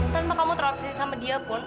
tanpa kamu terabsesi sama dia pun